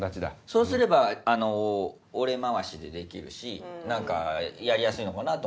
そうすれば俺回しでできるし何かやりやすいのかなと思って。